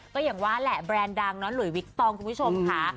ก็อย่างว่าแหละแบรนด์ดังเนาะหลุยวิกตองคุณผู้ชมค่ะ